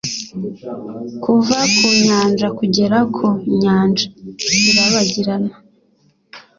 kuva ku nyanja kugera ku nyanja irabagirana!